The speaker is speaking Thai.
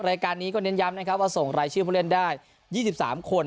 รายการนี้ก็เน้นย้ำนะครับว่าส่งรายชื่อผู้เล่นได้๒๓คน